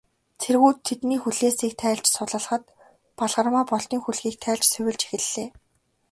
Цэргүүд тэдний хүлээсийг тайлж, сувилахад, Балгармаа Болдын хүлгийг тайлж сувилж эхэллээ.